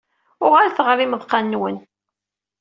Uɣalet ɣer yimeḍqan-nwen.